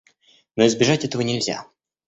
Но избежать этого нельзя.